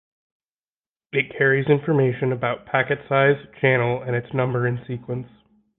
It carries information about packet size, channel, and its number in sequence.